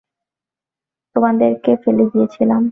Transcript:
তোমাদেরকে ফেলে গিয়েছিলাম।